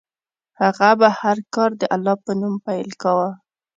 هغه به هر کار د الله په نوم پیل کاوه.